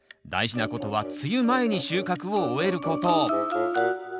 大事なことは梅雨前に収穫を終えること。